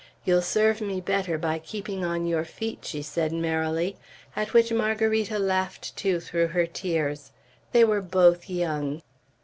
"You'll serve me better by keeping on your feet," she said merrily; at which Margarita laughed too, through her tears. They were both young.